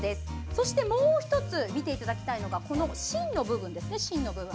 そして、もう１つ見ていただきたいのが芯の部分。